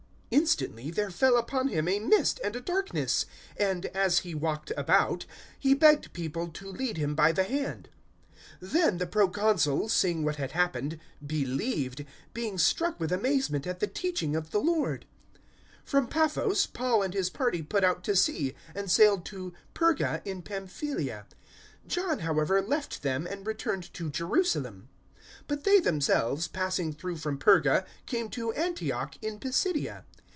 Instantly there fell upon him a mist and a darkness, and, as he walked about, he begged people to lead him by the hand. 013:012 Then the Proconsul, seeing what had happened, believed, being struck with amazement at the teaching of the Lord. 013:013 From Paphos, Paul and his party put out to sea and sailed to Perga in Pamphylia. John, however, left them and returned to Jerusalem. 013:014 But they themselves, passing through from Perga, came to Antioch in Pisidia.